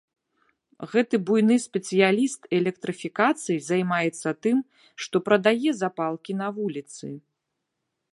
Гэты буйны спецыяліст электрыфікацыі займаецца тым, што прадае запалкі на вуліцы.